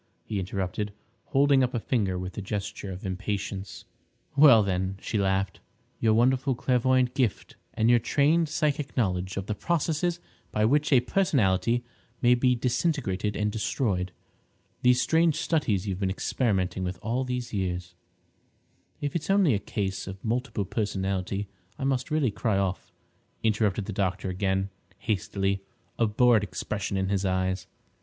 he interrupted, holding up a finger with a gesture of impatience. "Well, then," she laughed, "your wonderful clairvoyant gift and your trained psychic knowledge of the processes by which a personality may be disintegrated and destroyed—these strange studies you've been experimenting with all these years—" "If it's only a case of multiple personality I must really cry off," interrupted the doctor again hastily, a bored expression in his eyes.